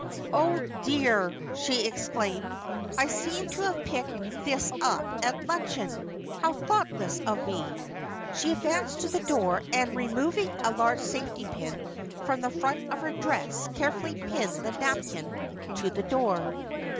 "Oh, dear," she exclaimed. "I seem to have picked this up at luncheon. How thoughtless of me." She advanced to the door, and removing a large safety pin from the front of her dress, carefully pinned the napkin to the door.